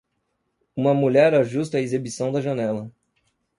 Uma mulher ajusta a exibição da janela.